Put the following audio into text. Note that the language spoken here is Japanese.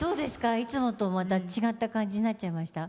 いつもとまた違った感じになっちゃいました？